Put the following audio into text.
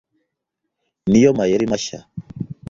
ni yo mayeri mashya